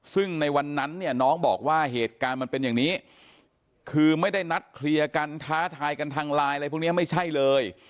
ซึ่งในวันนั้นเนี่ยน้องบอกว่าเหตุการณ์มันเป็นอย่างนี้คือไม่ได้นัดเคลียร์กันท้าทายกันทางไลน์อะไรพวกนี้ไม่ใช่เลย